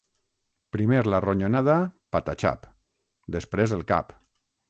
Primer la ronyonada, pataxap; després el cap.